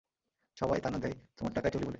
সবাই তানা দেয়, তোমার টাকায় চলি বলে।